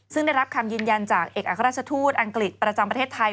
ซึ่งได้รับคำยืนยันจากเอกอัครราชทูตอังกฤษประจำประเทศไทย